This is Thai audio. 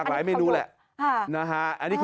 หมูทอดหรอคะ